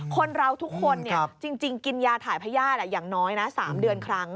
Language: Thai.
คนเราทุกคนจริงกินยาถ่ายพญาติอย่างน้อยนะ๓เดือนครั้ง